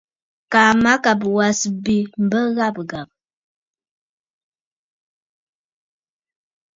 Kaa mâkàbə̀ wa à sɨ̀ bê m̀bə ghâbə̀ ghâbə̀.